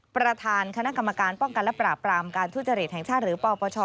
ประธานคณะกรรมการป้องกันและปราบปรามการทุจริตแห่งชาติหรือปปช